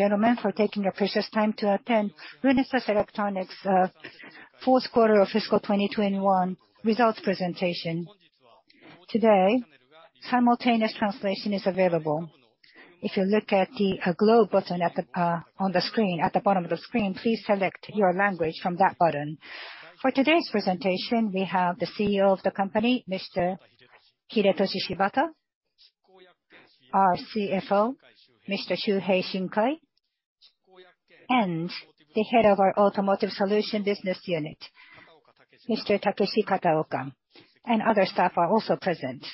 Gentlemen, for taking the precious time to attend Renesas Electronics Fourth Quarter of Fiscal 2021 Results Presentation. Today, simultaneous translation is available. If you look at the globe button on the screen, at the bottom of the screen, please select your language from that button. For today's presentation, we have the CEO of the company, Mr. Hidetoshi Shibata, our CFO, Mr. Shuhei Shinkai, and the head of our Automotive Solution Business Unit, Mr. Takeshi Kataoka, and other staff are also present.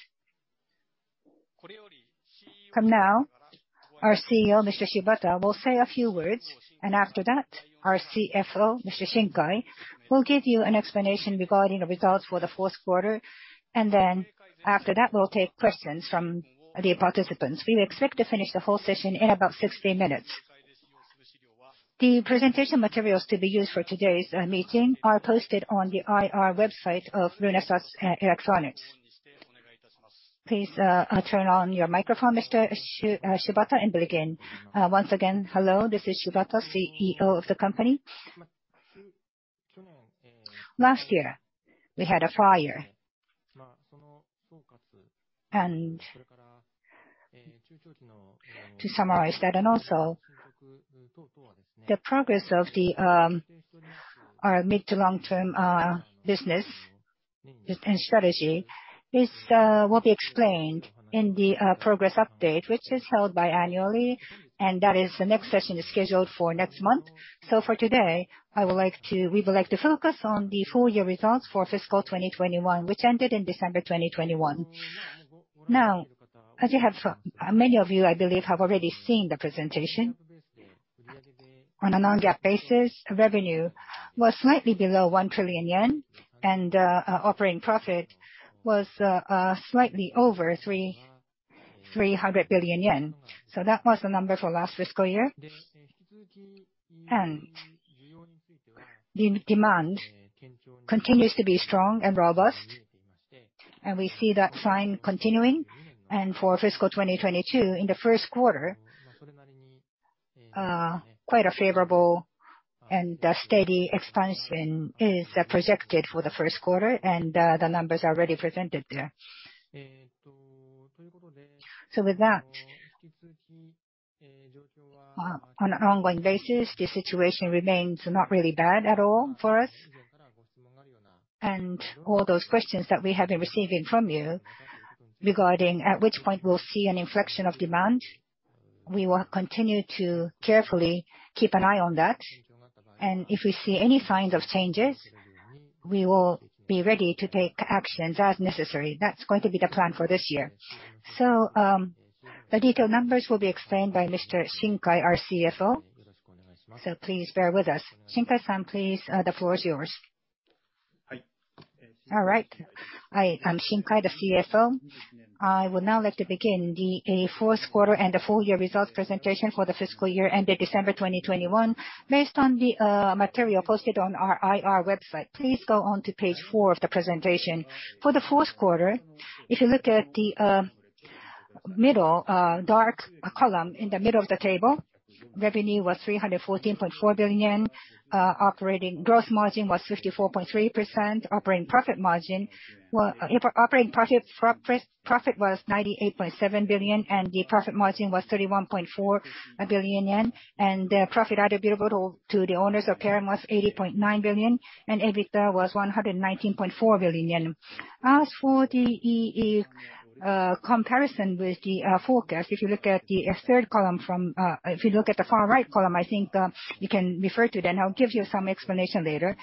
From now, our CEO, Mr. Shibata, will say a few words, and after that our CFO, Mr. Shinkai, will give you an explanation regarding the results for the fourth quarter. Then after that, we'll take questions from the participants. We expect to finish the whole session in about 60 minutes. The presentation materials to be used for today's meeting are posted on the IR website of Renesas Electronics. Please turn on your microphone, Mr. Shibata, and begin. Once again, hello, this is Shibata, CEO of the company. Last year, we had a fire. To summarize that, and also the progress of our mid- to long-term business and strategy will be explained in the progress update, which is held biannually, and that the next session is scheduled for next month. For today, we would like to focus on the full year results for fiscal 2021, which ended in December 2021. Now, as many of you, I believe, have already seen the presentation. On a non-GAAP basis, revenue was slightly below 1 trillion yen, and operating profit was slightly over 300 billion yen. That was the number for last fiscal year. The demand continues to be strong and robust, and we see that trend continuing. For fiscal 2022, in the first quarter, quite a favorable and a steady expansion is projected for the first quarter, and the numbers are already presented there. With that, on an ongoing basis, the situation remains not really bad at all for us. All those questions that we have been receiving from you regarding at which point we'll see an inflection of demand, we will continue to carefully keep an eye on that. If we see any signs of changes, we will be ready to take actions as necessary. That's going to be the plan for this year. The detailed numbers will be explained by Mr. Shinkai, our CFO. Please bear with us. Shinkai-san, please, the floor is yours. All right. I am Shinkai, the CFO. I would now like to begin the fourth quarter and the full year results presentation for the fiscal year ended December 2021 based on the material posted on our IR website. Please go on to page four of the presentation. For the fourth quarter, if you look at the middle dark column in the middle of the table, revenue was 314.4 billion. Operating gross margin was 54.3%. Operating profit was 98.7 billion, and net profit was 31.4 billion yen. Profit attributable to the owners of parent was 80.9 billion, and EBITDA was 119.4 billion yen. As for the comparison with the forecast, if you look at the far right column, I think you can refer to that. I'll give you some explanation later.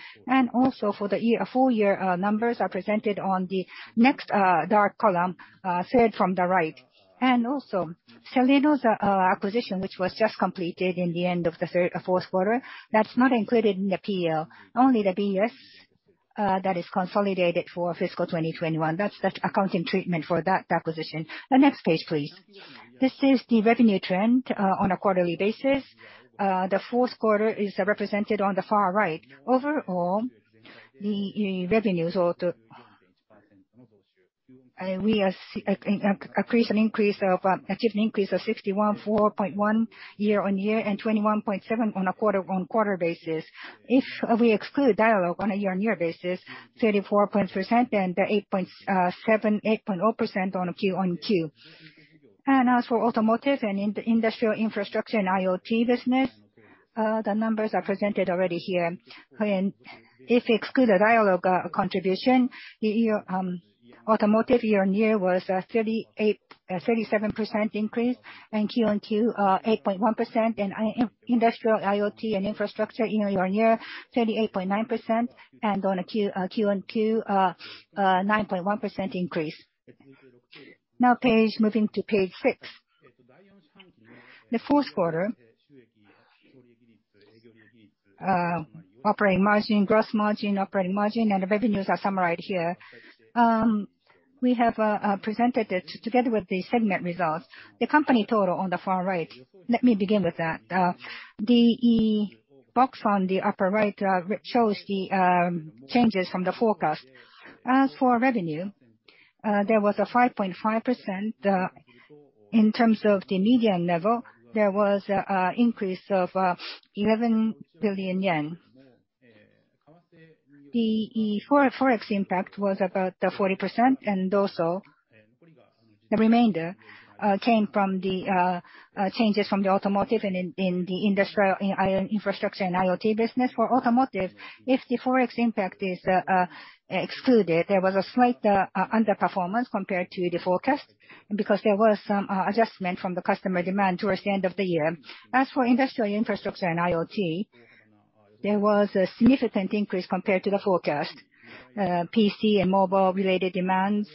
For the year, full year numbers are presented on the next dark column, third from the right. Celeno's acquisition, which was just completed in the end of the fourth quarter, that's not included in the P&L, only the BS, that is consolidated for fiscal 2021. That's the accounting treatment for that acquisition. The next page, please. This is the revenue trend on a quarterly basis. The fourth quarter is represented on the far right. Overall, the revenues achieved an increase of 61.4% year-on-year and 21.7% on a quarter-on-quarter basis. If we exclude Dialog, on a year-on-year basis, 34% and 8.0% on a quarter-on-quarter. As for automotive and industrial infrastructure and IoT business, the numbers are presented already here. If we exclude the Dialog contribution, the automotive year-on-year was 37% increase, and quarter-on-quarter 8.1%. Industrial IoT and infrastructure year-on-year 38.9%. On a quarter-on-quarter 9.1% increase. Now, moving to page six. The fourth quarter operating margin, gross margin, operating margin, and the revenues are summarized here. We have presented it together with the segment results. The company total on the far right, let me begin with that. The box on the upper right shows the changes from the forecast. As for revenue, there was a 5.5%, in terms of the median level, there was an increase of 11 billion yen. The forex impact was about 40% and also the remainder came from the changes from the automotive and in the industrial infrastructure and IoT business. For automotive, if the forex impact is excluded, there was a slight underperformance compared to the forecast because there was some adjustment from the customer demand towards the end of the year. As for industrial infrastructure and IoT, there was a significant increase compared to the forecast. PC and mobile related demands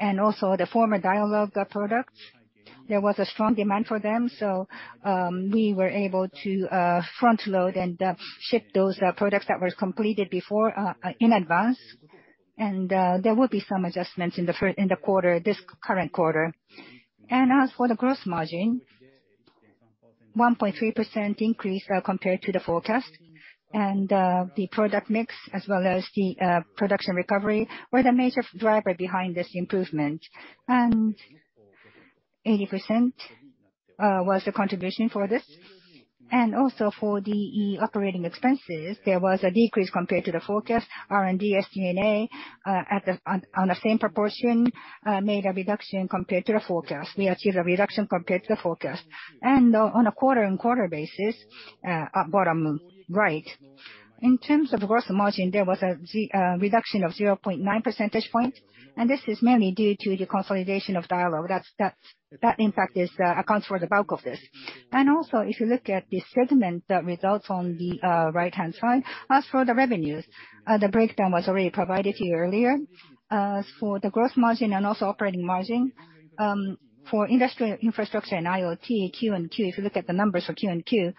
and also the former Dialog products, there was a strong demand for them, so we were able to front load and ship those products that were completed before in advance. There will be some adjustments in the quarter, this current quarter. As for the gross margin, 1.3% increase compared to the forecast and the product mix as well as the production recovery were the major driver behind this improvement. 80% was the contribution for this. Also for the operating expenses, there was a decrease compared to the forecast. R&D, SG&A, on the same proportion, made a reduction compared to the forecast. We achieved a reduction compared to the forecast. On a quarter-on-quarter basis, at bottom right, in terms of gross margin, there was a reduction of 0.9 percentage point, and this is mainly due to the consolidation of Dialog. That impact accounts for the bulk of this. Also, if you look at the segment results on the right-hand side, as for the revenues, the breakdown was already provided to you earlier. The gross margin and also operating margin for industrial infrastructure and IoT, QoQ, if you look at the numbers for QoQ,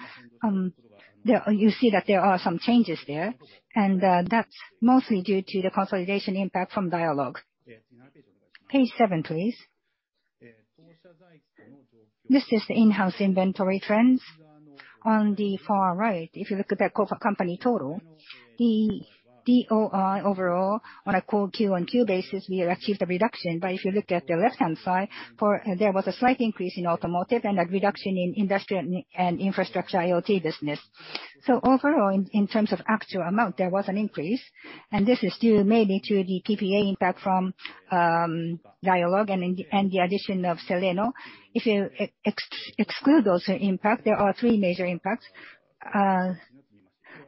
you see that there are some changes there, and that's mostly due to the consolidation impact from Dialog. Page seven, please. This is the in-house inventory trends. On the far right, if you look at the company total, the DOI overall, on a core QoQ basis, we have achieved a reduction. If you look at the left-hand side, there was a slight increase in automotive and a reduction in industrial and infrastructure IoT business. Overall, in terms of actual amount, there was an increase, and this is due mainly to the PPA impact from Dialog and the addition of Celeno. If you exclude those impact, there are three major impacts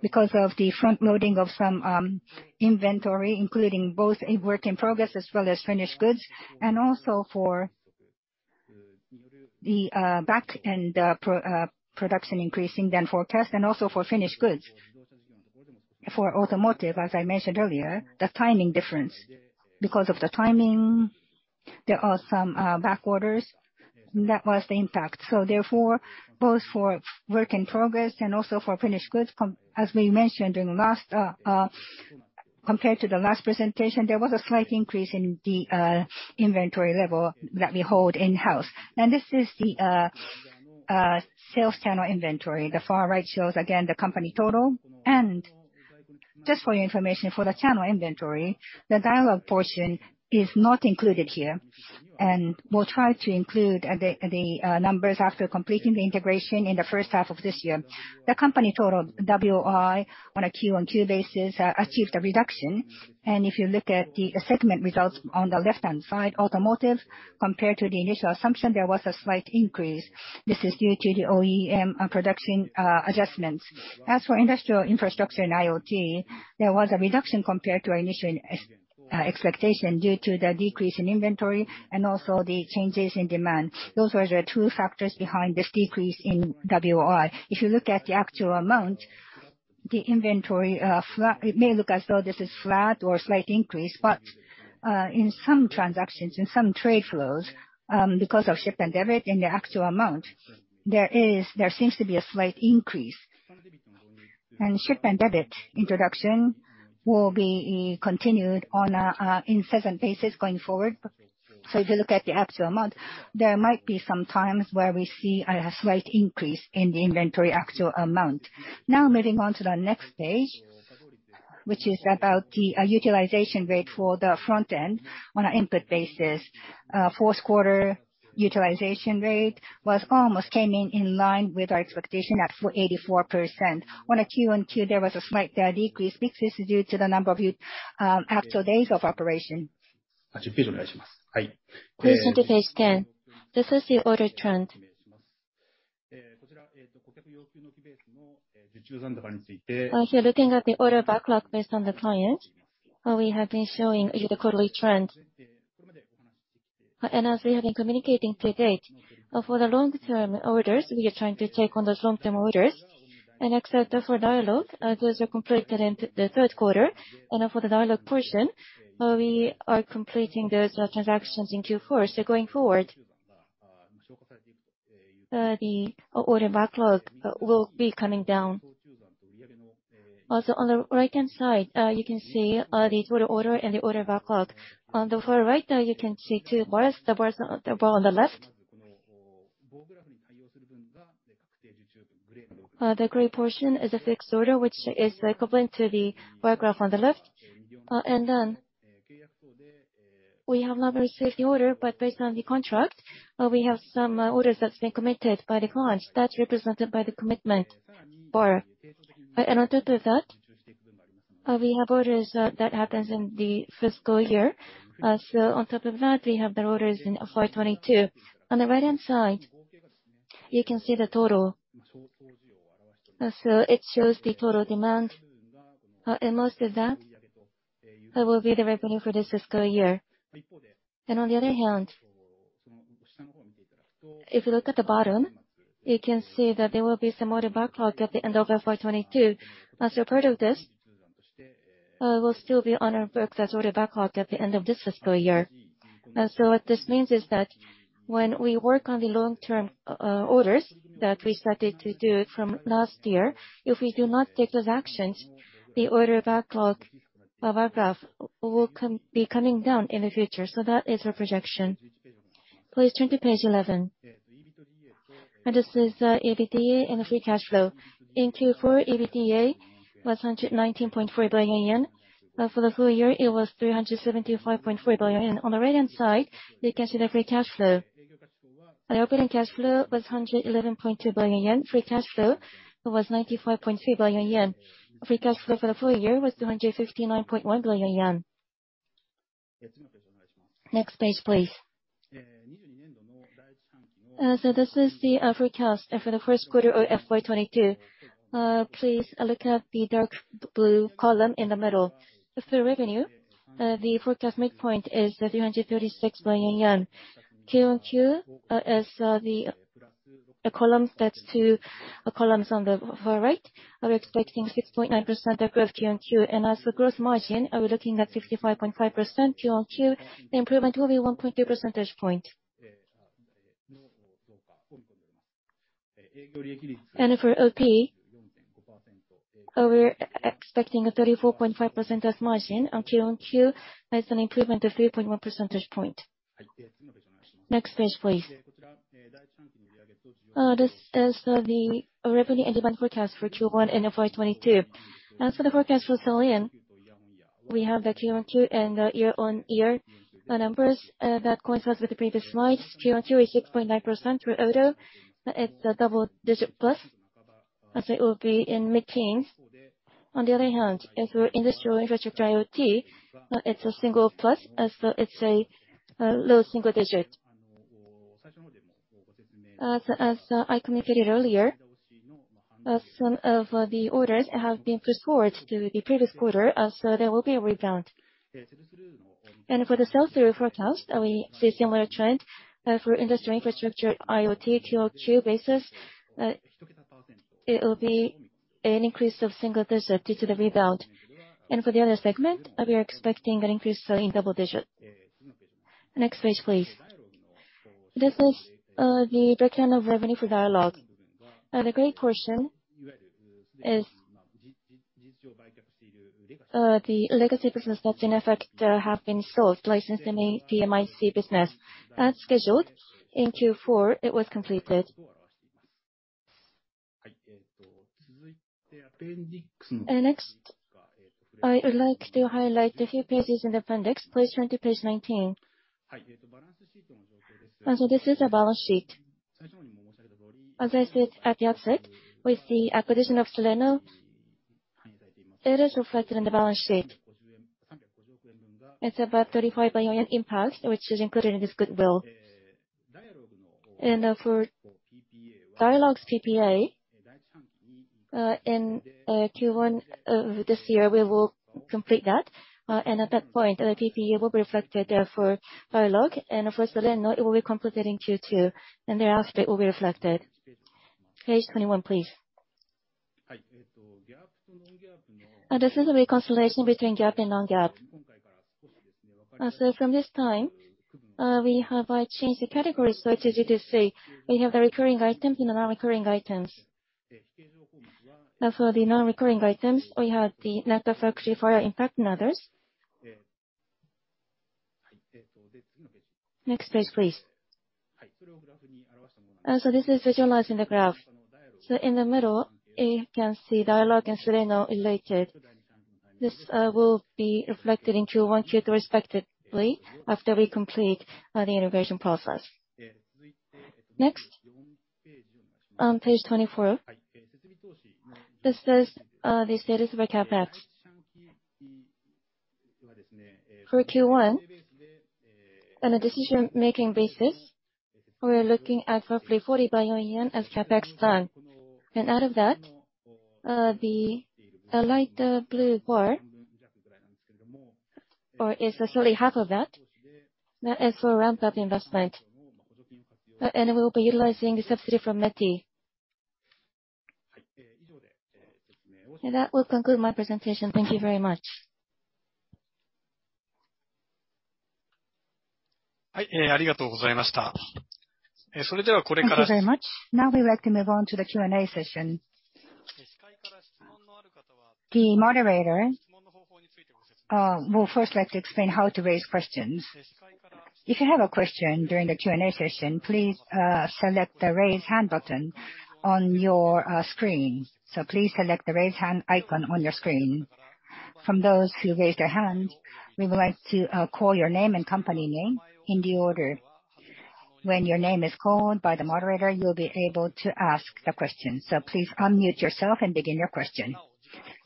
because of the frontloading of some inventory, including both a work in progress as well as finished goods and also for the backend production increasing above forecast, and also for finished goods. For automotive, as I mentioned earlier, the timing difference because of the timing, there are some back orders. That was the impact. Therefore, both for work in progress and also for finished goods as we mentioned last, compared to the last presentation, there was a slight increase in the inventory level that we hold in-house. This is the sales channel inventory. The far right shows again the company total. Just for your information, for the channel inventory, the Dialog portion is not included here, and we'll try to include the numbers after completing the integration in the first half of this year. The company total WOI on a QoQ basis achieved a reduction. If you look at the segment results on the left-hand side, automotive, compared to the initial assumption, there was a slight increase. This is due to the OEM production adjustments. As for industrial infrastructure and IoT, there was a reduction compared to our initial expectation due to the decrease in inventory and also the changes in demand. Those were the two factors behind this decrease in WOI. If you look at the actual amount, the inventory, it may look as though this is flat or slight increase, but in some transactions, in some trade flows, because of ship and debit in the actual amount, there seems to be a slight increase. Ship and debit introduction will be continued on a in certain phases going forward. If you look at the actual amount, there might be some times where we see a slight increase in the inventory actual amount. Now moving on to the next page, which is about the utilization rate for the front end on an input basis. Fourth quarter utilization rate almost came in in line with our expectation at 84%. On a QoQ, there was a slight decrease, which is due to the number of actual days of operation. Please turn to page 10. This is the order trend. If you're looking at the order backlog based on the client, we have been showing you the quarterly trend. As we have been communicating to date, for the long-term orders, we are trying to take on those long-term orders and accept those for Dialog, those are completed in the third quarter. For the Dialog portion, we are completing those transactions in Q4. Going forward, the order backlog will be coming down. Also, on the right-hand side, you can see the total order and the order backlog. On the far right, you can see two bars. The bars, the bar on the left. The gray portion is a fixed order, which is coupled to the bar graph on the left. We have not received the order, but based on the contract, we have some orders that's been committed by the clients. That's represented by the commitment bar. We have orders that happens in the fiscal year. On top of that, we have the orders in FY 2022. On the right-hand side, you can see the total. It shows the total demand. Most of that will be the revenue for this fiscal year. On the other hand, if you look at the bottom, you can see that there will be some order backlog at the end of FY 2022. As a part of this, will still be on our books as order backlog at the end of this fiscal year. What this means is that when we work on the long-term orders that we started to do from last year, if we do not take those actions, the order backlog of our graph will be coming down in the future. That is our projection. Please turn to page 11. This is EBITDA and the free cash flow. In Q4, EBITDA was 119.4 billion yen. For the full year, it was 375.4 billion yen. On the right-hand side, you can see the free cash flow. The operating cash flow was 111.2 billion yen. Free cash flow was 95.3 billion yen. Free cash flow for the full year was 259.1 billion yen. Next page, please. So this is the forecast for the first quarter of FY 2022. Please look at the dark blue column in the middle. As for revenue, the forecast midpoint is 336 billion yen. QoQ is the column that's two columns on the far right. We're expecting 6.9% growth QoQ. As for gross margin, we're looking at 65.5% QoQ. The improvement will be 1.2 percentage points. For OP, we're expecting a 34.5% OP margin QoQ. That's an improvement of 3.1 percentage points. Next page, please. This is the revenue and demand forecast for Q1 in FY 2022. As for the forecast for Celeno, we have the QoQ and year-on-year numbers that coincides with the previous slides. QoQ is 6.9% through Auto. It's a double-digit plus, and so it will be in mid-teens. On the other hand, as for industrial infrastructure IoT, it's a single plus, as it's a low single-digit. As I communicated earlier, some of the orders have been postponed to the previous quarter, so there will be a rebound. For the sell-through forecast, we see similar trend for industrial infrastructure IoT QoQ basis. It will be an increase of single-digit due to the rebound. For the other segment, we are expecting an increase in double-digit. Next page, please. This is the breakdown of revenue for Dialog. The gray portion is the legacy business that in effect have been sold licensed in the PMIC business. As scheduled, in Q4 it was completed. Next, I would like to highlight a few pages in the appendix. Please turn to page 19. This is a balance sheet. As I said at the outset, with the acquisition of Celeno, it is reflected in the balance sheet. It's about 35 billion impact, which is included in this goodwill. For Dialog's PPA, in Q1 of this year, we will complete that. At that point, the PPA will be reflected for Dialog. For Celeno, it will be completed in Q2, and thereafter it will be reflected. Page 21, please. This is the reconciliation between GAAP and non-GAAP. From this time, we have changed the categories so it's easy to see. We have the recurring items and the non-recurring items. For the non-recurring items, we have the net of factory fire impact and others. Next page, please. This is visualizing the graph. In the middle, you can see Dialog and Celeno related. This will be reflected in Q1, Q2 respectively after we complete the integration process. Next, on page 24. This is the status of our CapEx. For Q1, on a decision-making basis, we're looking at roughly 40 billion yen as CapEx plan. Out of that, the lighter blue bar which is exactly half of that. That is for ramp-up investment. We will be utilizing the subsidy from METI. That will conclude my presentation. Thank you very much. Thank you very much. Now we'd like to move on to the Q&A session. The moderator. We'll first like to explain how to raise questions. If you have a question during the Q&A session, please select the Raise Hand button on your screen. Please select the Raise Hand icon on your screen. From those who raise their hand, we would like to call your name and company name in the order. When your name is called by the moderator, you'll be able to ask the question, so please unmute yourself and begin your question.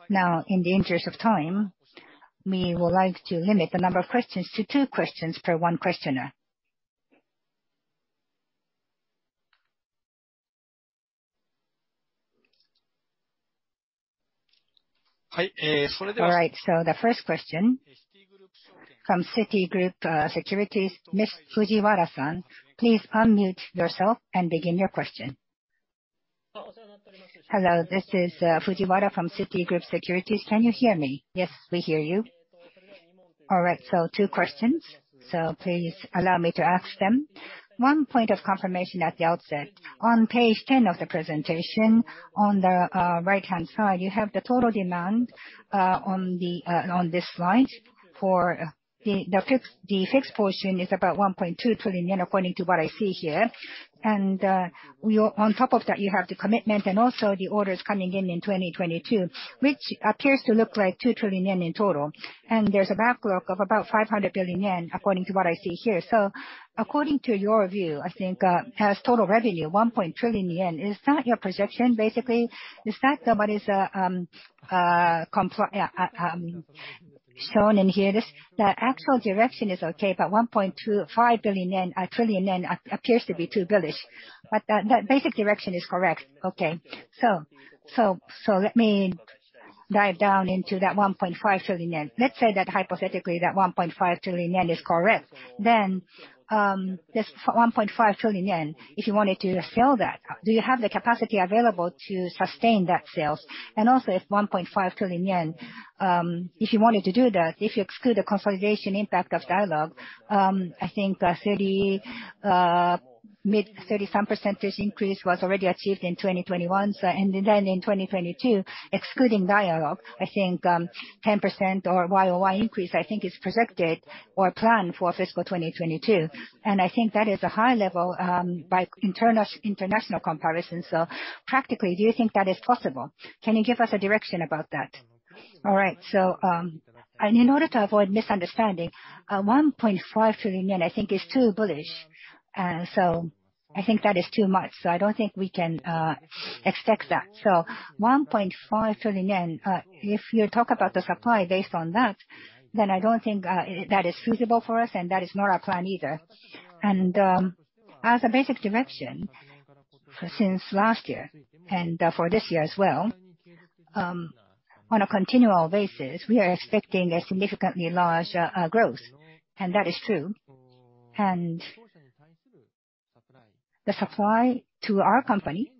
Now, in the interest of time, we would like to limit the number of questions to two questions per one questioner. Hi. All right. The first question from Citigroup Securities, Ms. Fujiwara-san, please unmute yourself and begin your question. Hello, this is Fujiwara from Citigroup Securities. Can you hear me? Yes, we hear you. All right, two questions. Please allow me to ask them. One point of confirmation at the outset. On page 10 of the presentation, on the right-hand side, you have the total demand on this slide. For the fixed portion is about 1.2 trillion yen, according to what I see here. On top of that, you have the commitment and also the orders coming in in 2022, which appears to look like 2 trillion yen in total. There's a backlog of about 500 billion yen, according to what I see here. According to your view, I think, as total revenue, 1 trillion yen, is that your projection, basically? Is that what is shown in here? The actual direction is okay, but 1.25 trillion yen appears to be too bullish. The basic direction is correct. Okay. Let me dive down into that 1.5 trillion yen. Let's say that hypothetically that 1.5 trillion yen is correct. This 1.5 trillion yen, if you wanted to sell that, do you have the capacity available to sustain that sales? Also, if 1.5 trillion yen, if you wanted to do that, if you exclude the consolidation impact of Dialog, I think mid-30s % increase was already achieved in 2021. Then in 2022, excluding Dialog, I think 10% or YoY increase is projected or planned for fiscal 2022. I think that is a high level by international comparison. Practically, do you think that is possible? Can you give us a direction about that? All right. In order to avoid misunderstanding, 1.5 trillion yen I think is too bullish. I think that is too much. I don't think we can expect that. 1.5 trillion yen, if you talk about the supply based on that, then I don't think that is feasible for us, and that is not our plan either. As a basic direction since last year and for this year as well, on a continual basis, we are expecting a significantly large growth, and that is true. The supply to our company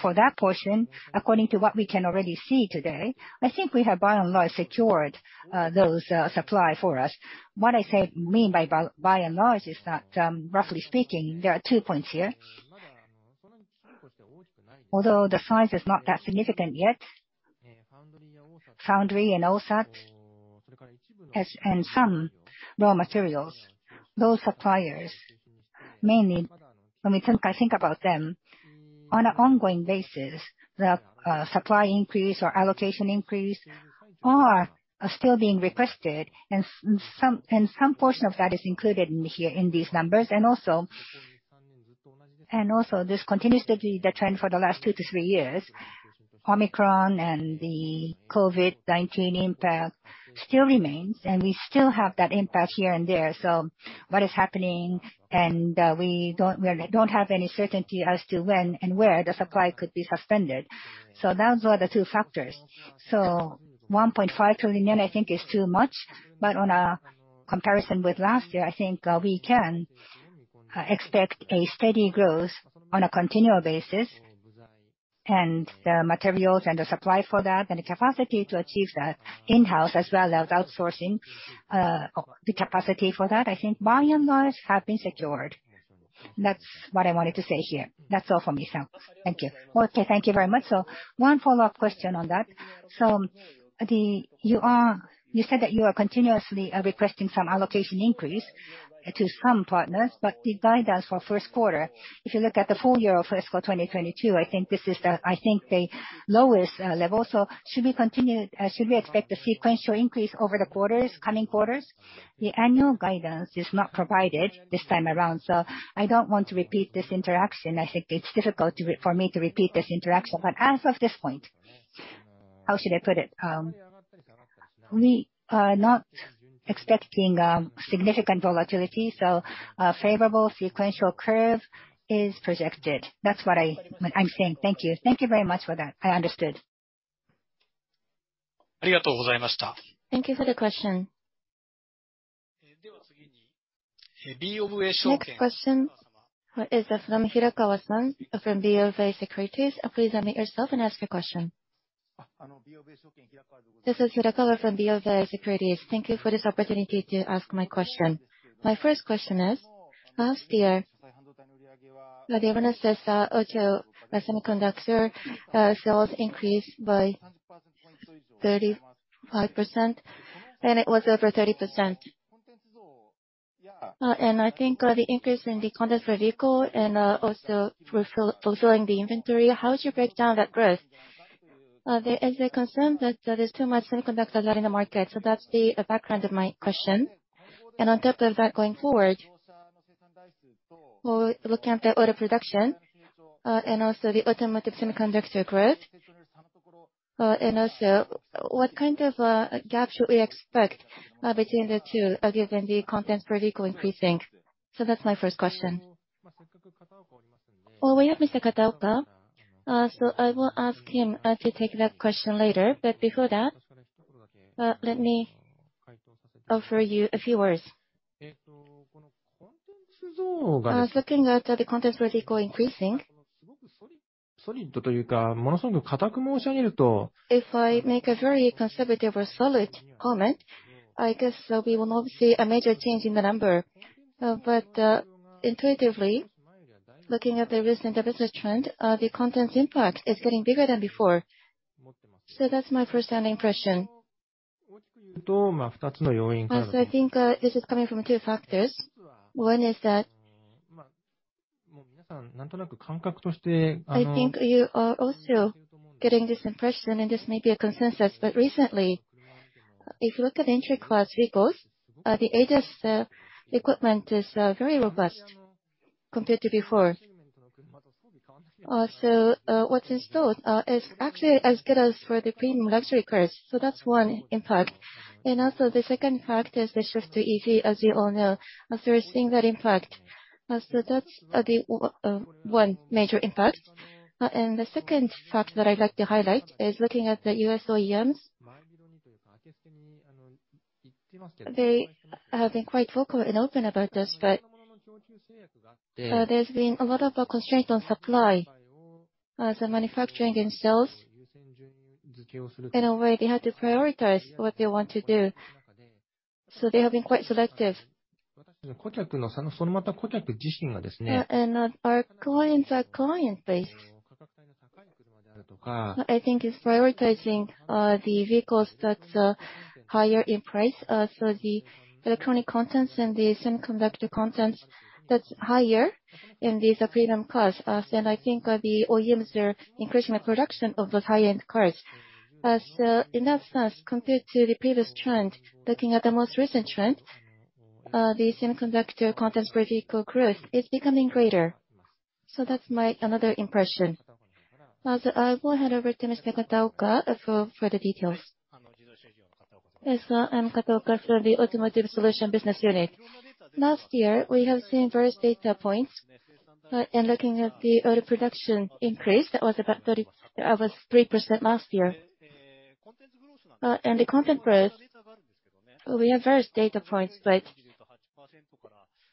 for that portion, according to what we can already see today, I think we have by and large secured those supply for us. What I mean by by and large is that, roughly speaking, there are two points here. Although the size is not that significant yet, Foundry and OSAT and some raw materials, those suppliers mainly, when we think about them, I think, on an ongoing basis, the supply increase or allocation increase are still being requested and some portion of that is included in here in these numbers. This continues to be the trend for the last two-three years, Omicron and the COVID-19 impact still remains, and we still have that impact here and there. What is happening, we don't have any certainty as to when and where the supply could be suspended. Those are the two factors. 1.5 trillion yen I think is too much. On a comparison with last year, I think, we can expect a steady growth on a continual basis. The materials and the supply for that and the capacity to achieve that in-house as well as outsourcing, the capacity for that, I think by and large have been secured. That's what I wanted to say here. That's all for me, thank you. Okay, thank you very much. One follow-up question on that. You said that you are continuously requesting some allocation increase to some partners, but the guidance for first quarter, if you look at the full year of fiscal 2022, I think this is the lowest level. Should we expect a sequential increase over the coming quarters? The annual guidance is not provided this time around, so I don't want to repeat this interaction. I think it's difficult for me to repeat this interaction. As of this point, how should I put it? We are not expecting significant volatility, so a favorable sequential curve is projected. That's what I'm saying. Thank you. Thank you very much for that. I understood. Thank you for the question. Next question is from Hirakawa-san from BofA Securities. Please unmute yourself and ask your question. This is Hirakawa from BofA Securities. Thank you for this opportunity to ask my question. My first question is, now the other one says that auto semiconductor sales increased by 35%, and it was over 30%. I think the increase in the content per vehicle and also refilling the inventory, how would you break down that growth? There is a concern that that there's too much semiconductors out in the market, so that's the background of my question. On top of that, going forward, we're looking at the auto production and also the automotive semiconductor growth. Also what kind of gap should we expect between the two given the content per vehicle increasing? That's my first question. Well, we have Mr. Kataoka, so I will ask him to take that question later. Before that, let me offer you a few words. Looking at the content per vehicle increasing, if I make a very conservative or solid comment, I guess, we will not see a major change in the number. Intuitively, looking at the recent business trend, the content's impact is getting bigger than before. That's my firsthand impression. I think this is coming from two factors. One is that I think you are also getting this impression, and this may be a consensus, but recently, if you look at entry class vehicles, the ADAS equipment is very robust compared to before. What's installed is actually as good as for the premium luxury cars. That's one impact. The second factor is the shift to EV, as you all know. We're seeing that impact. That's the one major impact. The second factor that I'd like to highlight is looking at the U.S. OEMs. They have been quite vocal and open about this, but there's been a lot of constraint on supply. Manufacturing in cells, in a way they had to prioritize what they want to do. They have been quite selective. Yeah, our clients are client-based. I think it's prioritizing the vehicles that's higher in price. The electronic contents and the semiconductor contents that's higher in these premium cars. I think the OEMs are increasing the production of those high-end cars. In that sense, compared to the previous trend, looking at the most recent trend, the semiconductor content per vehicle growth is becoming greater. That's my another impression. I will hand over to Mr. Kataoka for the details. Yes. I'm Kataoka from the Automotive Solution Business Unit. Last year, we have seen various data points. Looking at the auto production increase, that was about 3% last year. The content growth, we have various data points, but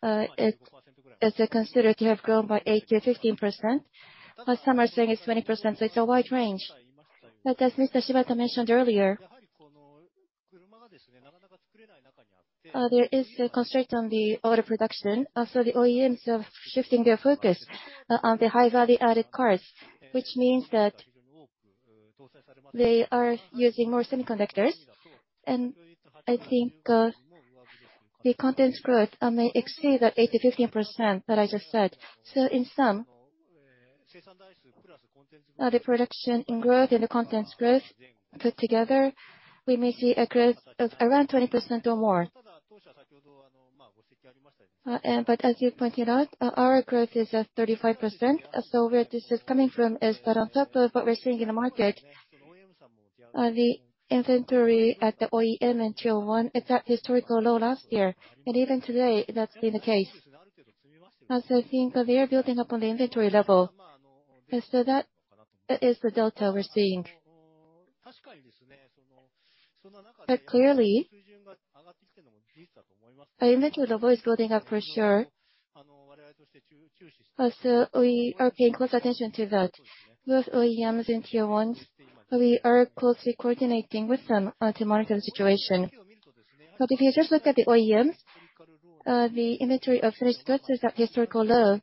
it's considered to have grown by 8%-15%. Some are saying it's 20%, so it's a wide range. As Mr. Shibata mentioned earlier, there is a constraint on the auto production. The OEMs are shifting their focus on the high value-added cars, which means that they are using more semiconductors. I think the content's growth may exceed that 8%-15% that I just said. In sum, the production growth and the content's growth put together, we may see a growth of around 20% or more. As you pointed out, our growth is at 35%. Where this is coming from is that on top of what we're seeing in the market, the inventory at the OEM and Tier 1 is at historical low last year. Even today, that's been the case. I think they are building up on the inventory level. That is the delta we're seeing. Clearly, our inventory level is building up for sure. We are paying close attention to that. Both OEMs and Tier 1s, we are closely coordinating with them to monitor the situation. If you just look at the OEMs, the inventory of finished goods is at historical low,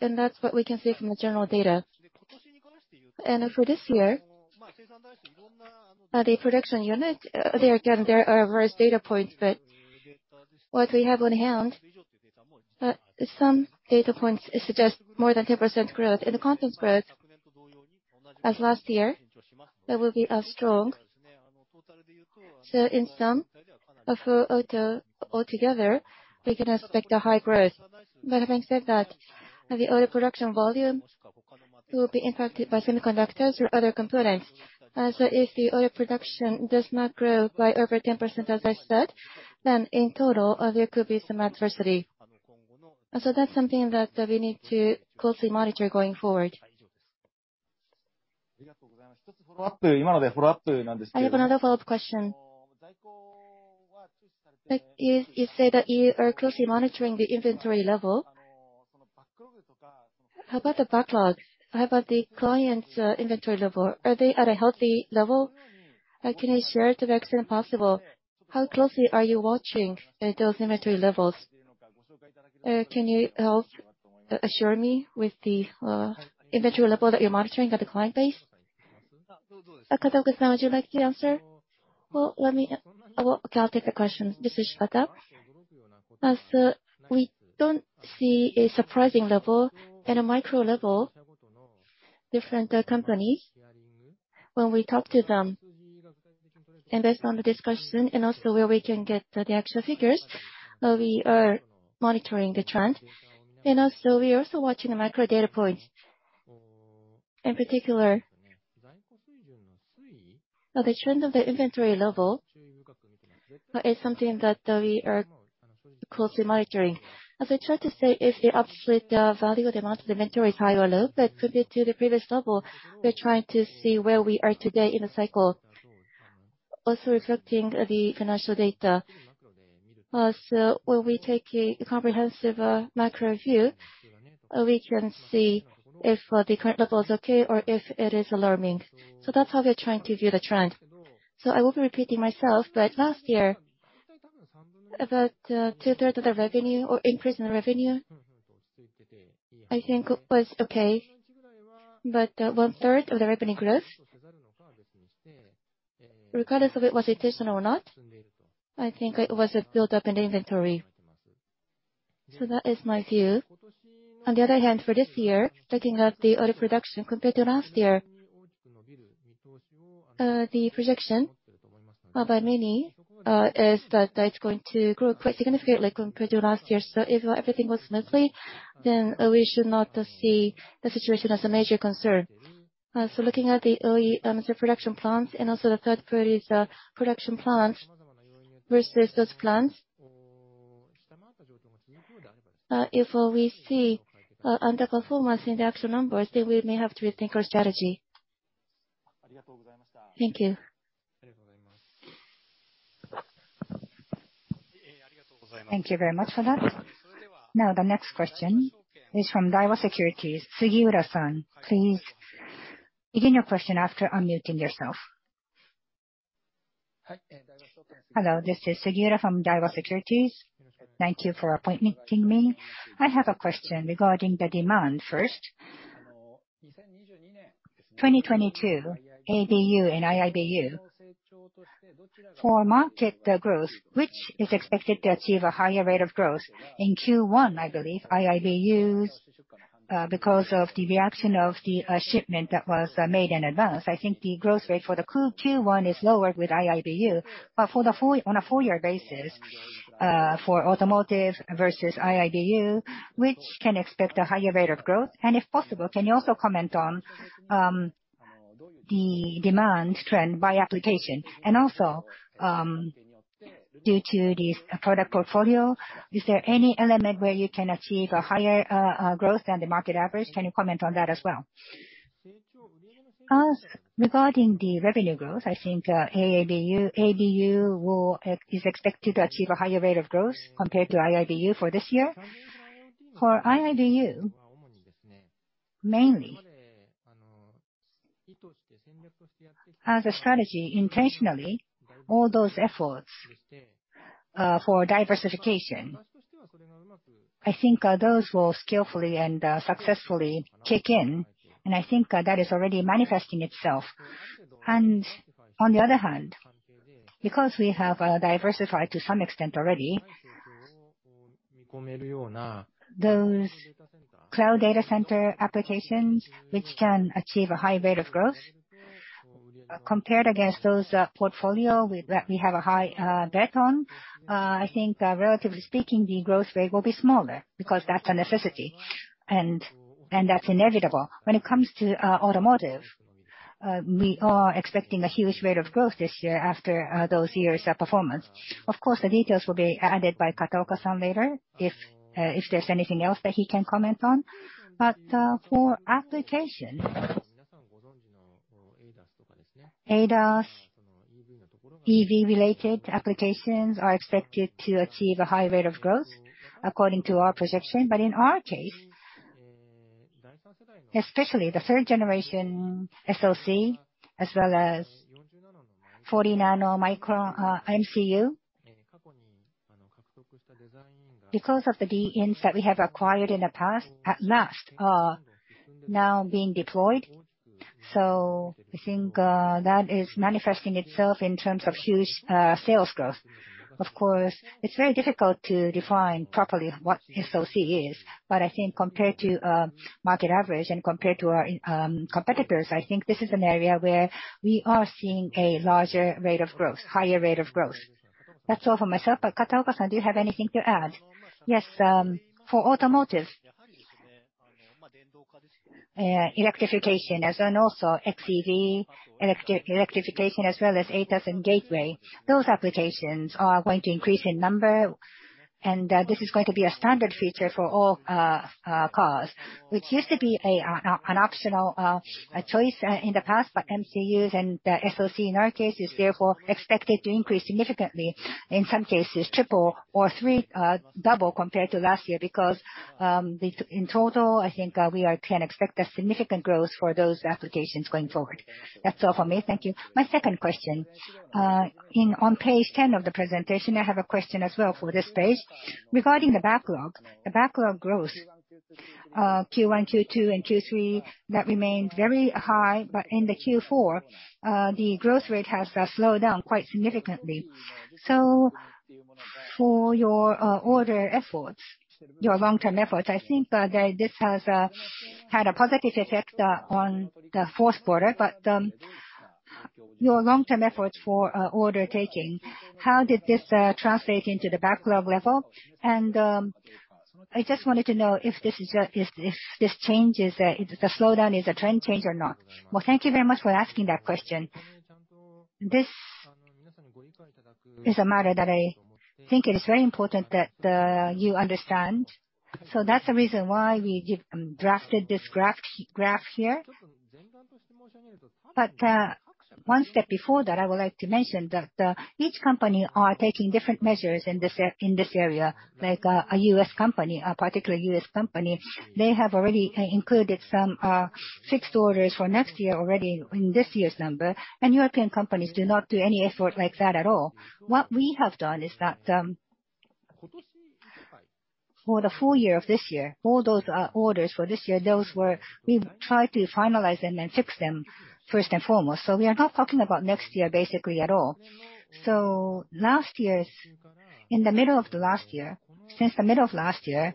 and that's what we can see from the general data. For this year, the production unit, there again, there are various data points. What we have on hand, some data points suggest more than 10% growth. The content growth, as last year, that will be strong. In sum, for auto altogether, we can expect high growth. Having said that, the auto production volume will be impacted by semiconductors or other components. If the auto production does not grow by over 10%, as I said, then in total, there could be some adversity. That's something that we need to closely monitor going forward. I have another follow-up question. You said that you are closely monitoring the inventory level. How about the backlog? How about the clients' inventory level? Are they at a healthy level? Like, can you share to the extent possible, how closely are you watching those inventory levels? Can you help assure me with the inventory level that you're monitoring at the client base? Kataoka-san, would you like to answer? Well, okay, I'll take the question. This is Shibata. As we don't see a surprising level at a micro level, different companies, when we talk to them and based on the discussion and also where we can get the actual figures, we are monitoring the trend. Also, we are also watching the micro data points. In particular, the trend of the inventory level is something that we are closely monitoring. As I tried to say, if the absolute value of the amount of inventory is high or low, but compared to the previous level, we're trying to see where we are today in the cycle, also reflecting the financial data. As when we take a comprehensive micro view, we can see if the current level is okay or if it is alarming. That's how we are trying to view the trend. I will be repeating myself, but last year about two-thirds of the revenue or increase in revenue I think was okay. One-third of the revenue growth, regardless if it was additional or not, I think it was a build-up in the inventory. That is my view. On the other hand, for this year, looking at the order production compared to last year, the projection by many is that it's going to grow quite significantly compared to last year. If everything goes smoothly, then we should not see the situation as a major concern. Looking at the OE production plants and also the third-party's production plants versus those plants, if what we see underperformance in the actual numbers, then we may have to rethink our strategy. Thank you. Thank you very much for that. Now the next question is from Daiwa Securities, Sugiura-san. Please begin your question after unmuting yourself. Hello, this is Sugiura from Daiwa Securities. Thank you for appointing me. I have a question regarding the demand first. 2022, ABU and IIBU, for market growth, which is expected to achieve a higher rate of growth in Q1, I believe, IIBU's because of the reaction of the shipment that was made in advance. I think the growth rate for the QoQ in Q1 is lower with IIBU. For the full, on a full year basis, for automotive versus IIBU, which can expect a higher rate of growth? And if possible, can you also comment on the demand trend by application? And also, due to the strong product portfolio, is there any element where you can achieve a higher growth than the market average? Can you comment on that as well? Regarding the revenue growth, I think ABU is expected to achieve a higher rate of growth compared to IIBU for this year. For IIBU, mainly, as a strategy intentionally, all those efforts for diversification, I think, those will skillfully and successfully kick in, and I think that is already manifesting itself. On the other hand, because we have diversified to some extent already, those cloud data center applications which can achieve a high rate of growth, compared against those portfolio we have a high bet on, I think, relatively speaking, the growth rate will be smaller because that's a necessity and that's inevitable. When it comes to automotive, we are expecting a huge rate of growth this year after those years of performance. Of course, the details will be added by Kataoka-san later if there's anything else that he can comment on. For application, ADAS, EV related applications are expected to achieve a high rate of growth according to our projection. In our case, especially the third generation SoC as well as 40nm MCU, because of the designs that we have acquired in the past at last are now being deployed. I think that is manifesting itself in terms of huge sales growth. Of course, it's very difficult to define properly what SoC is. I think compared to market average and compared to our competitors, I think this is an area where we are seeing a larger rate of growth, higher rate of growth. That's all for myself. Kataoka-san, do you have anything to add? Yes. For automotive, electrification as well also xEV electrification as well as ADAS and gateway, those applications are going to increase in number and, this is going to be a standard feature for all cars, which used to be an optional choice in the past. MCUs and the SoC in our case is therefore expected to increase significantly, in some cases triple or double compared to last year because the in total, I think we can expect a significant growth for those applications going forward. That's all for me. Thank you. My second question. On page 10 of the presentation, I have a question as well for this page. Regarding the backlog, the backlog growth Q1, Q2, and Q3, that remained very high, but in the Q4, the growth rate has slowed down quite significantly. For your order efforts, your long-term efforts, I think this has had a positive effect on the fourth quarter. Your long-term efforts for order taking, how did this translate into the backlog level? I just wanted to know if this change is a trend change or not. Well, thank you very much for asking that question. This is a matter that I think it is very important that you understand. That's the reason why we drafted this graph here. One step before that, I would like to mention that each company are taking different measures in this area, like a U.S. company, a particular U.S. company, they have already included some fixed orders for next year already in this year's number. European companies do not do any effort like that at all. What we have done is that, for the full year of this year, all those orders for this year, we've tried to finalize and then fix them first and foremost. We are not talking about next year basically at all. In the middle of last year, since the middle of last year,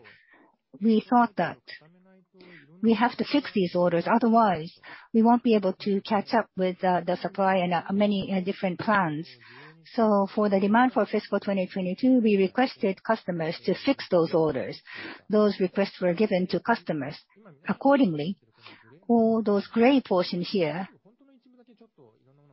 we thought that we have to fix these orders, otherwise we won't be able to catch up with the supply and many different plans. For the demand for fiscal 2022, we requested customers to fix those orders. Those requests were given to customers. Accordingly, all those gray portions here,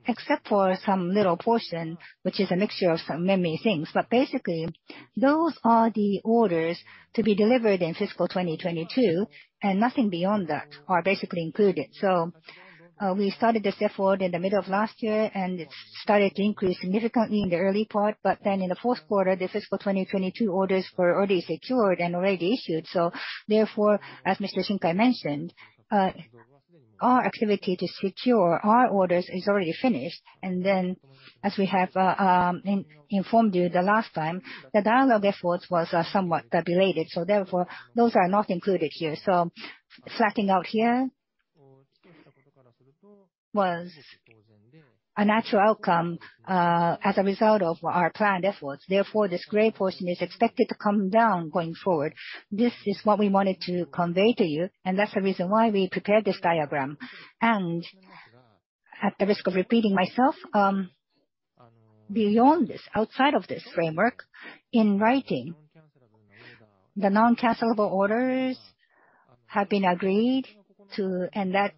except for some little portion, which is a mixture of so many things. Basically, those are the orders to be delivered in fiscal 2022, and nothing beyond that are basically included. We started this effort in the middle of last year, and it started to increase significantly in the early part. In the fourth quarter, the fiscal 2022 orders were already secured and already issued. Therefore, as Mr. Shinkai mentioned our activity to secure our orders is already finished. As we have informed you the last time, the Dialog efforts was somewhat belated, so therefore those are not included here. Flattening out here was a natural outcome as a result of our planned efforts. This gray portion is expected to come down going forward. This is what we wanted to convey to you, and that's the reason why we prepared this diagram. At the risk of repeating myself, beyond this, outside of this framework, in writing, the non-cancellable orders have been agreed to, and that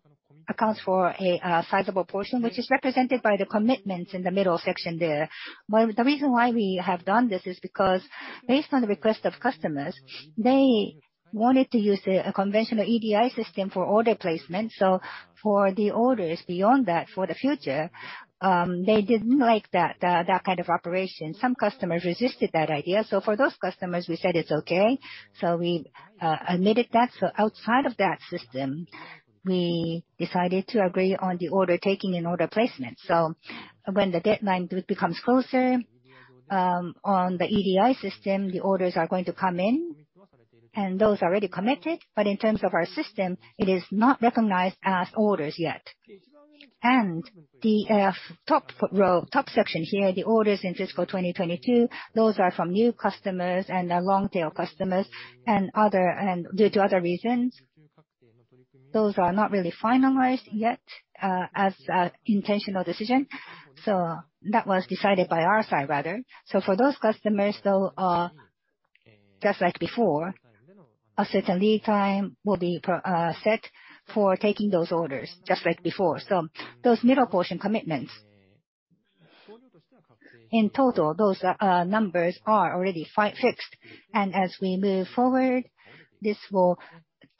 accounts for a sizable portion, which is represented by the commitments in the middle section there. Well, the reason why we have done this is because based on the request of customers, they wanted to use a conventional EDI system for order placement. For the orders beyond that for the future, they didn't like that kind of operation. Some customers resisted that idea. For those customers, we said it's okay. We admitted that. Outside of that system, we decided to agree on the order taking and order placement. When the deadline becomes closer, on the EDI system, the orders are going to come in, and those are already committed. In terms of our system, it is not recognized as orders yet. The top row, top section here, the orders in fiscal 2022, those are from new customers and long-tail customers and other and due to other reasons, those are not really finalized yet, as an intentional decision. That was decided by our side, rather. For those customers, though, just like before, a certain lead time will be set for taking those orders, just like before. Those middle portion commitments, in total, those numbers are already fixed. As we move forward, this will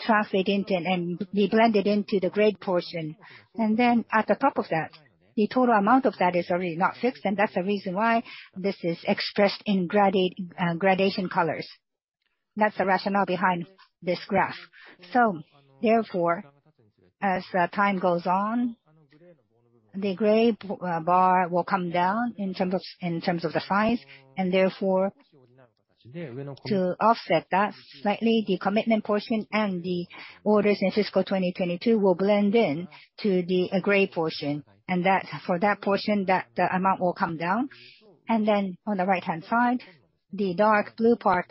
translate into and be blended into the gray portion. Then at the top of that, the total amount of that is already not fixed, and that's the reason why this is expressed in gradation colors. That's the rationale behind this graph. As time goes on, the gray bar will come down in terms of the size. To offset that slightly, the commitment portion and the orders in fiscal 2022 will blend in to the gray portion. For that portion, the amount will come down. On the right-hand side, the dark blue part,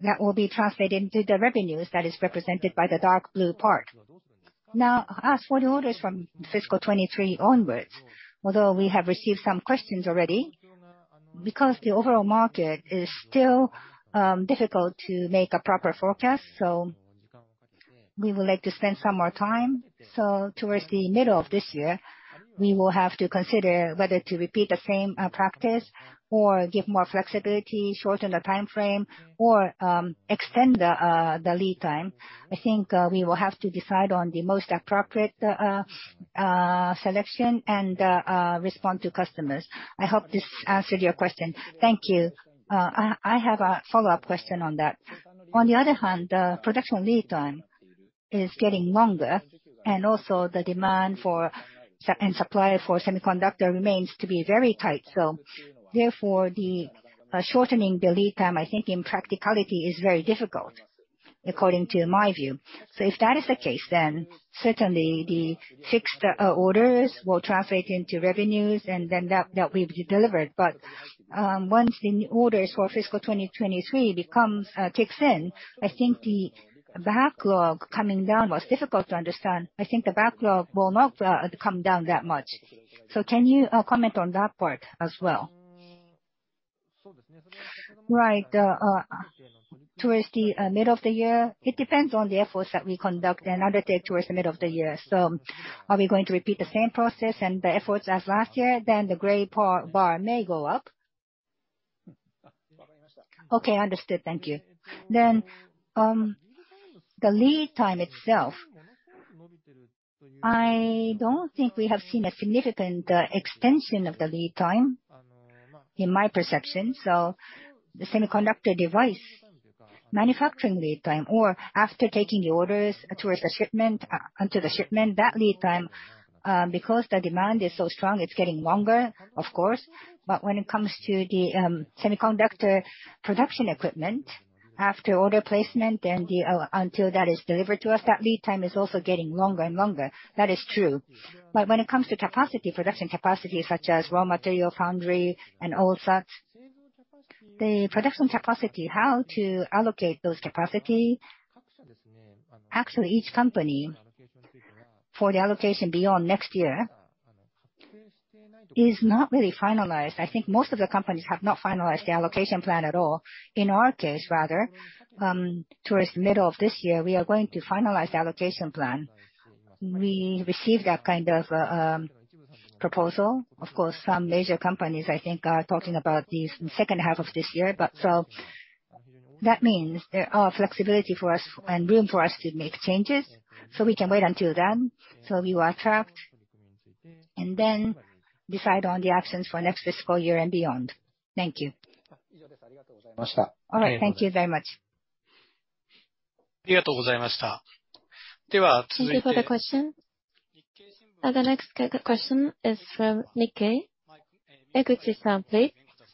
that will be translated into the revenues that is represented by the dark blue part. Now, as for the orders from fiscal 2023 onwards, although we have received some questions already, because the overall market is still difficult to make a proper forecast, so we would like to spend some more time. Towards the middle of this year, we will have to consider whether to repeat the same practice or give more flexibility, shorten the timeframe, or extend the lead time. I think we will have to decide on the most appropriate selection and respond to customers. I hope this answered your question. Thank you. I have a follow-up question on that. On the other hand, the production lead time is getting longer, and also the demand for semiconductors and supply for semiconductors remains to be very tight. Therefore, the shortening the lead time, I think in practicality is very difficult according to my view. If that is the case, then certainly the fixed orders will translate into revenues and then that will be delivered. Once the new orders for fiscal 2023 kicks in, I think the backlog coming down was difficult to understand. I think the backlog will not come down that much. Can you comment on that part as well? Right. Towards the middle of the year, it depends on the efforts that we conduct and undertake towards the middle of the year. Are we going to repeat the same process and the efforts as last year, then the gray bar may go up. Okay, understood. Thank you. The lead time itself, I don't think we have seen a significant extension of the lead time, in my perception. The semiconductor device manufacturing lead time, or after taking the orders towards the shipment, onto the shipment, that lead time, because the demand is so strong, it's getting longer of course. When it comes to the semiconductor production equipment, after order placement, until that is delivered to us, that lead time is also getting longer and longer. That is true. When it comes to capacity, production capacity such as raw material foundry and all such, the production capacity, how to allocate those capacity, actually each company for the allocation beyond next year is not really finalized. I think most of the companies have not finalized the allocation plan at all. In our case rather, towards the middle of this year, we are going to finalize the allocation plan. We received that kind of proposal. Of course, some major companies I think are talking about this in the second half of this year. That means there are flexibility for us and room for us to make changes, so we can wait until then. We will attract and then decide on the actions for next fiscal year and beyond. Thank you. All right, thank you very much. Thank you for the question. The next question is from Nikkei. Eguchi-san, please.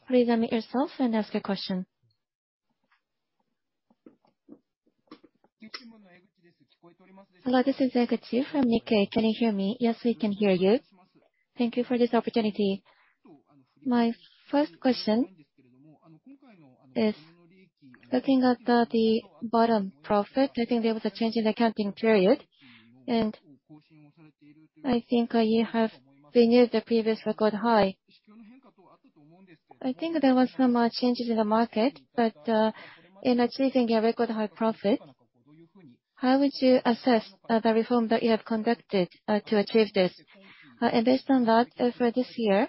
Please unmute yourself and ask your question. Hello, this is Eguchi from Nikkei. Can you hear me? Yes, we can hear you. Thank you for this opportunity. My first question is looking at the bottom profit. I think there was a change in accounting period. I think you have renewed the previous record high. I think there was some changes in the market, but in achieving a record high profit, how would you assess the reform that you have conducted to achieve this? Based on that, for this year,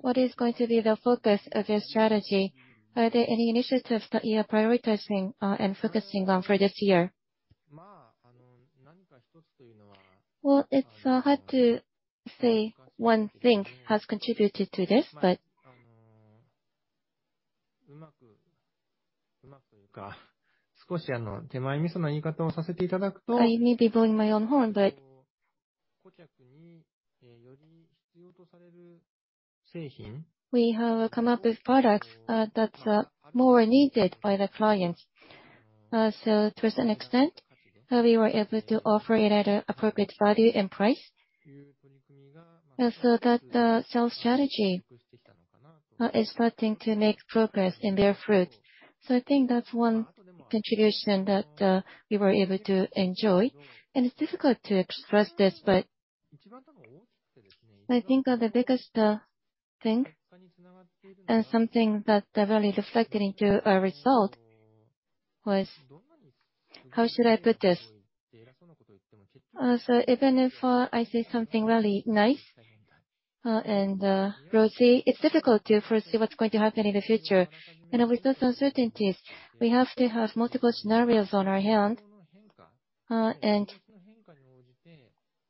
what is going to be the focus of your strategy? Are there any initiatives that you are prioritizing and focusing on for this year? Well, it's hard to say one thing has contributed to this, but I may be blowing my own horn, but we have come up with products that's more needed by the clients. To a certain extent, we were able to offer it at an appropriate value and price. That sales strategy is starting to bear fruit. I think that's one contribution that we were able to enjoy. It's difficult to express this, but I think the biggest thing and something that really reflected into our result was, how should I put this? Even if I say something really nice and rosy, it's difficult to foresee what's going to happen in the future. With those uncertainties, we have to have multiple scenarios in hand.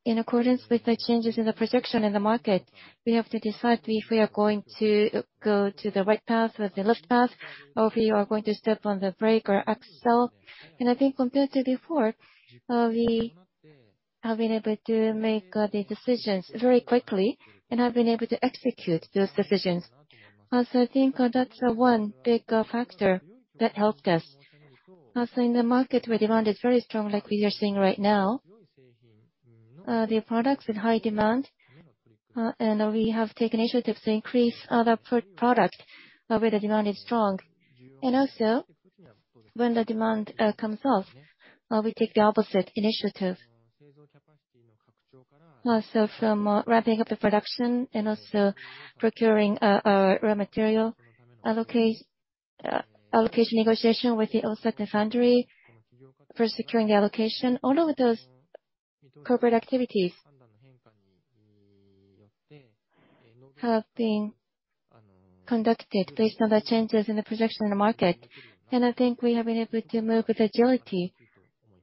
In accordance with the changes in the projection in the market, we have to decide if we are going to go to the right path or the left path, or if we are going to step on the brake or accelerate. I think compared to before, we have been able to make the decisions very quickly and have been able to execute those decisions. I think that's one big factor that helped us. Also in the market where demand is very strong like we are seeing right now, the products in high demand, and we have taken initiatives to increase other production where the demand is strong. Also, when the demand comes off, we take the opposite initiative. Also from ramping up the production and also procuring raw material allocation negotiation with the OSAT and foundry for securing the allocation. All of those corporate activities have been conducted based on the changes in the projection in the market. I think we have been able to move with agility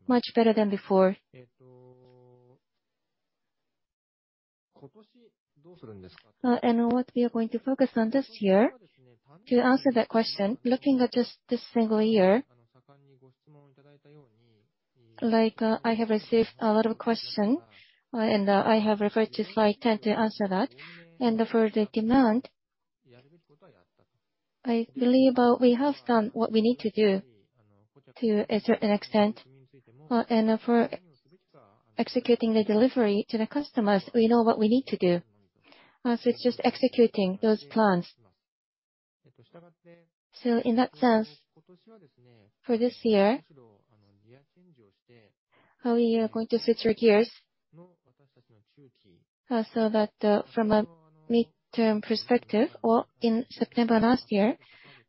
much better than before. What we are going to focus on this year, to answer that question, looking at just this single year, like, I have received a lot of questions, and I have referred to slide 10 to answer that. For the demand, I believe we have done what we need to do to a certain extent. For executing the delivery to the customers, we know what we need to do. It's just executing those plans. In that sense, for this year, we are going to switch our gears so that from a midterm perspective, or in September last year,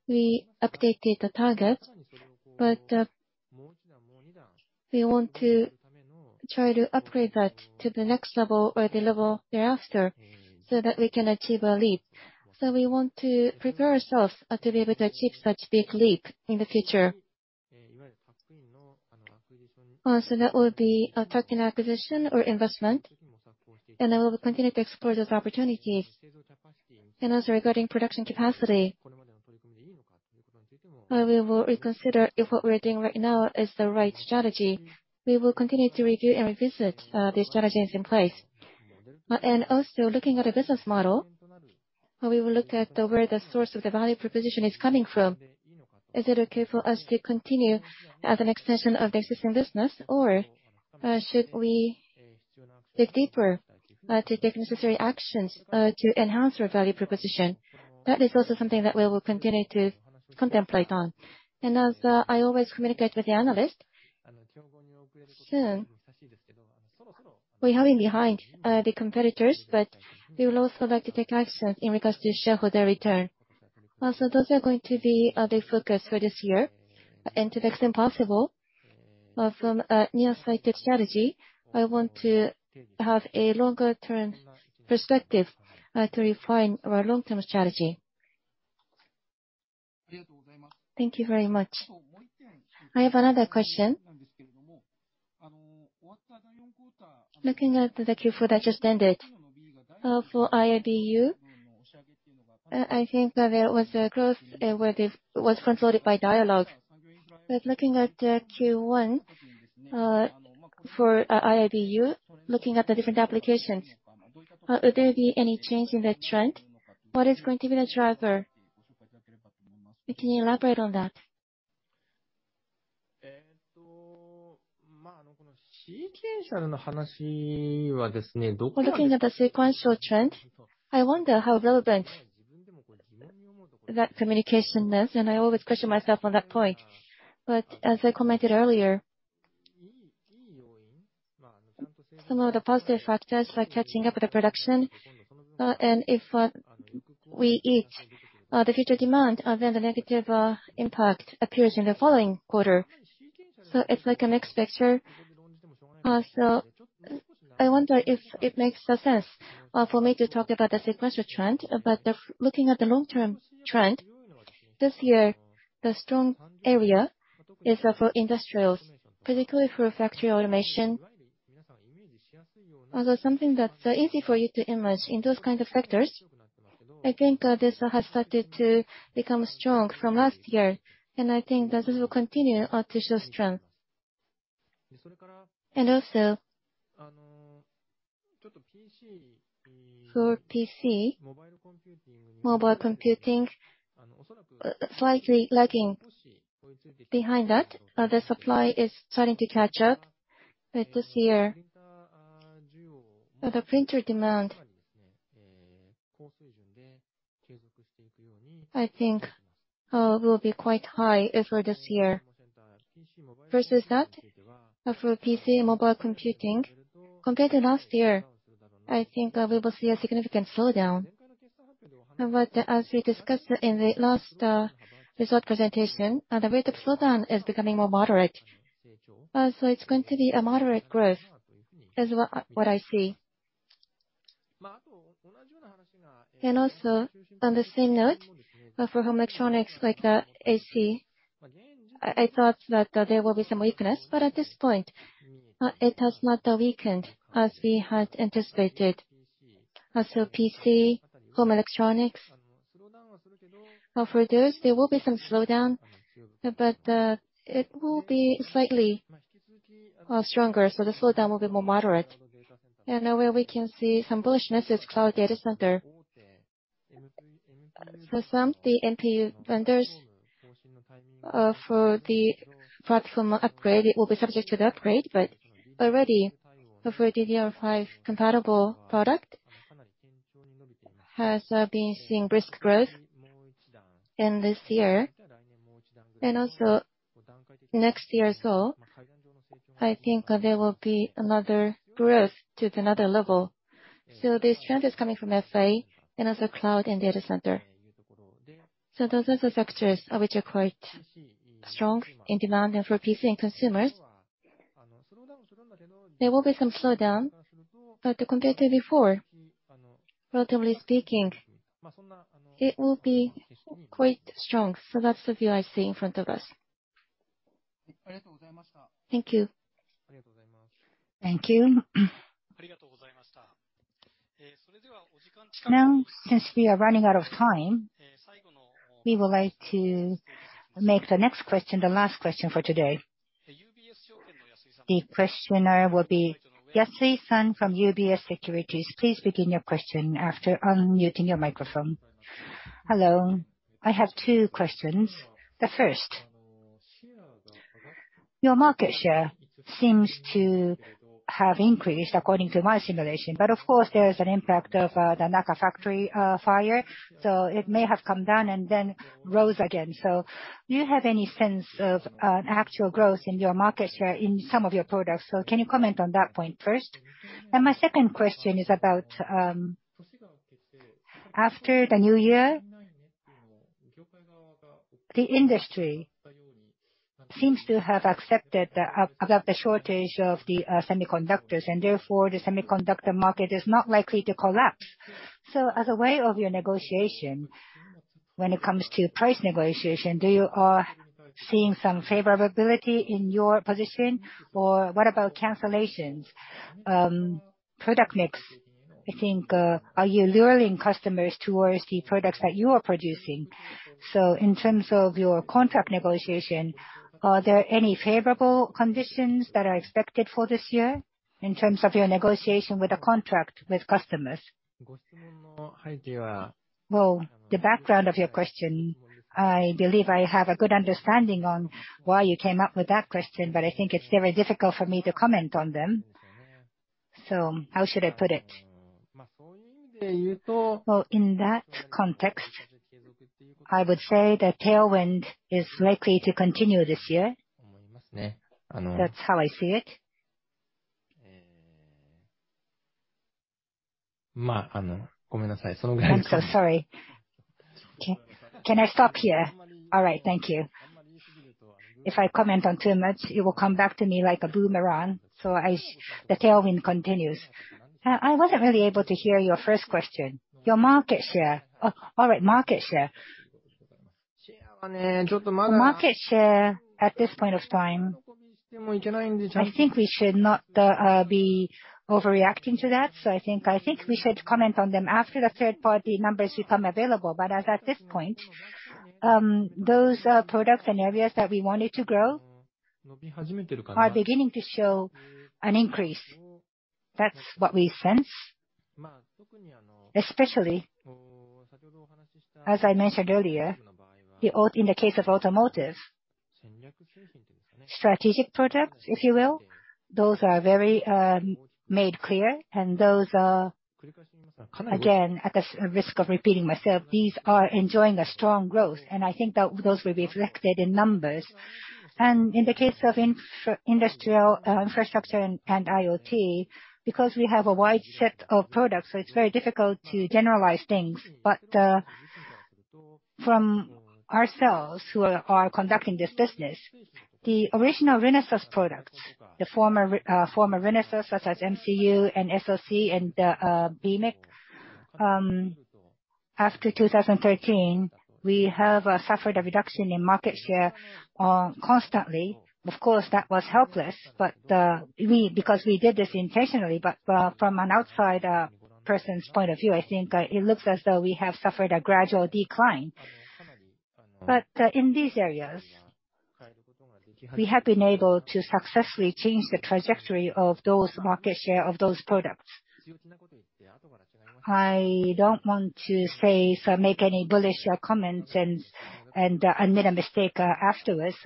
we updated the target. We want to try to upgrade that to the next level or the level thereafter so that we can achieve a leap. We want to prepare ourselves to be able to achieve such big leap in the future. That will be tuck-in acquisition or investment, and then we'll continue to explore those opportunities. Regarding production capacity, we will reconsider if what we are doing right now is the right strategy. We will continue to review and revisit the strategies in place. Looking at a business model, where we will look at where the source of the value proposition is coming from. Is it okay for us to continue as an extension of the existing business, or should we dig deeper to take necessary actions to enhance our value proposition? That is also something that we will continue to contemplate on. As I always communicate with the analyst, soon we're falling behind the competitors, but we will also like to take action in regards to shareholder return. Those are going to be the focus for this year. To the extent possible, from a near-sighted strategy, I want to have a longer-term perspective, to refine our long-term strategy. Thank you very much. I have another question. Looking at the Q4 that just ended, for IIBU, I think that there was a growth, where it was consolidated by Dialog. Looking at Q1, for IIBU, looking at the different applications, will there be any change in the trend? What is going to be the driver? Can you elaborate on that? Well, looking at the sequential trend, I wonder how relevant that communication is, and I always question myself on that point. As I commented earlier, some of the positive factors like catching up with the production, and if we catch up with the future demand, then the negative impact appears in the following quarter. It's like a mixed picture. I wonder if it makes sense for me to talk about the sequential trend. Looking at the long-term trend, this year the strong area is for industrials, particularly for factory automation. Although something that's easy for you to imagine in those kind of factors, I think this has started to become strong from last year. I think that this will continue to show strength. Also, for PC, mobile computing, slightly lagging behind that, the supply is starting to catch up. This year, the printer demand, I think, will be quite high, for this year. Versus that, for PC and mobile computing, compared to last year, I think, we will see a significant slowdown. As we discussed in the last result presentation, the rate of slowdown is becoming more moderate. It's going to be a moderate growth is what I see. Also on the same note, for home electronics like the AC, I thought that, there will be some weakness, but at this point, it has not weakened as we had anticipated. Also PC, home electronics, for those there will be some slowdown, but it will be slightly stronger, so the slowdown will be more moderate. Now where we can see some bullishness is cloud data center. For some, the MPS vendors, for the platform upgrade, it will be subject to the upgrade, but already for DDR5 compatible product has been seeing brisk growth. This year, and also next year as well, I think, there will be another growth to another level. This trend is coming from FA and also cloud and data center. Those are the factors, which are quite strong in demand. For PC and consumers, there will be some slowdown, but compared to before, relatively speaking, it will be quite strong. That's the view I see in front of us. Thank you. Thank you. Now, since we are running out of time, we would like to make the next question the last question for today. The questioner will be Yasui-san from UBS Securities. Please begin your question after unmuting your microphone. Hello. I have two questions. The first, your market share seems to have increased according to my simulation, but of course there is an impact of the Naka factory fire, so it may have come down and then rose again. Do you have any sense of actual growth in your market share in some of your products? Can you comment on that point first? My second question is about after the new year, the industry seems to have accepted the about the shortage of the semiconductors, and therefore the semiconductor market is not likely to collapse. As a way of your negotiation, when it comes to price negotiation, do you see some favorability in your position, or what about cancellations? Product mix, I think, are you luring customers towards the products that you are producing? In terms of your contract negotiation, are there any favorable conditions that are expected for this year in terms of your negotiation with the contract with customers? Well, the background of your question, I believe I have a good understanding on why you came up with that question, but I think it's very difficult for me to comment on them. How should I put it? Well, in that context, I would say the tailwind is likely to continue this year. That's how I see it. I'm so sorry. Can I stop here? All right, thank you. If I comment on too much, it will come back to me like a boomerang. The tailwind continues. I wasn't really able to hear your first question. Your market share. Oh, all right. Market share. The market share at this point of time, I think we should not be overreacting to that. I think we should comment on them after the third-party numbers become available. As at this point, those products and areas that we wanted to grow are beginning to show an increase. That's what we sense. Especially, as I mentioned earlier, in the case of automotive, strategic products, if you will, those are very made clear and those are, again, at the risk of repeating myself, these are enjoying a strong growth, and I think that those will be reflected in numbers. In the case of industrial, infrastructure and IoT, because we have a wide set of products, so it's very difficult to generalize things. From ourselves who are conducting this business, the original Renesas products, the former Renesas such as MCU and SoC and PMIC, after 2013, we have suffered a reduction in market share constantly. Of course, that was helpless, but we because we did this intentionally, but from an outside person's point of view, I think it looks as though we have suffered a gradual decline. In these areas, we have been able to successfully change the trajectory of those market share of those products. I don't want to say so make any bullish comments and made a mistake afterwards.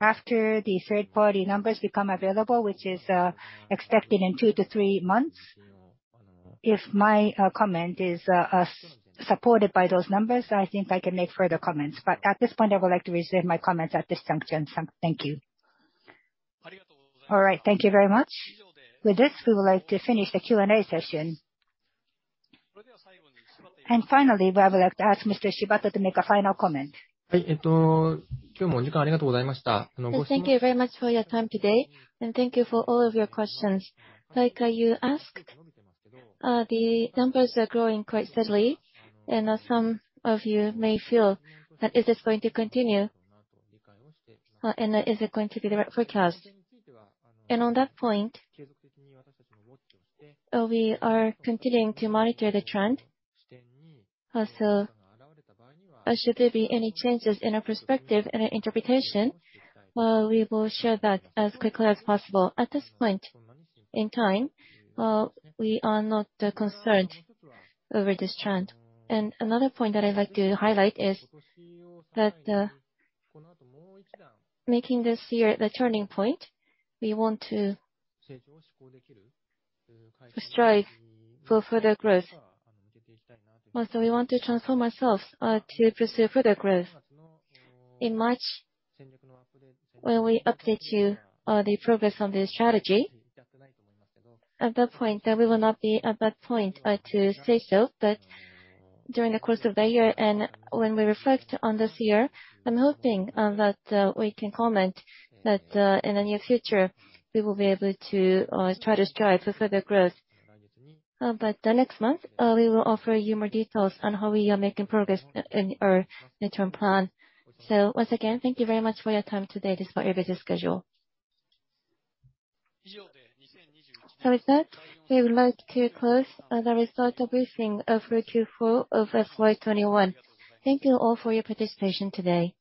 After the third-party numbers become available, which is expected in two to three months, if my comment is supported by those numbers, I think I can make further comments. At this point, I would like to reserve my comments at this juncture. Thank you. All right. Thank you very much. With this, we would like to finish the Q&A session. Finally, I would like to ask Mr. Shibata to make a final comment. Thank you very much for your time today, and thank you for all of your questions. Like you asked, the numbers are growing quite steadily and some of you may feel that is this going to continue and is it going to be the right forecast. On that point, we are continuing to monitor the trend. Should there be any changes in our perspective and our interpretation, we will share that as quickly as possible. At this point in time, we are not concerned over this trend. Another point that I'd like to highlight is that, making this year the turning point, we want to strive for further growth. We want to transform ourselves to pursue further growth. In March, when we update you the progress on this strategy, at that point, we will not be at that point to say so. During the course of the year and when we reflect on this year, I'm hoping that we can comment that in the near future, we will be able to try to strive for further growth. Next month, we will offer you more details on how we are making progress in our interim plan. Once again, thank you very much for your time today despite your busy schedule. With that, we would like to close the results briefing of Q4 of FY 2021. Thank you all for your participation today.